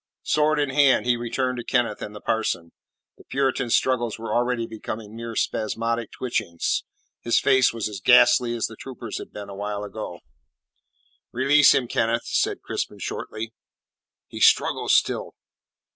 Sword in hand, he returned to Kenneth and the parson. The Puritan's struggles were already becoming mere spasmodic twitchings; his face was as ghastly as the trooper's had been a while ago. "Release him, Kenneth," said Crispin shortly. "He struggles still."